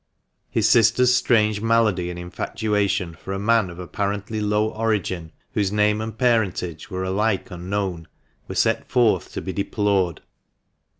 His sister's strange malady and infatuation for a man of apparently low origin, whose name and parentage were alike unknown, were set forth to be deplored.